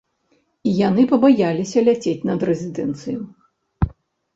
І яны пабаяліся ляцець над рэзідэнцыю.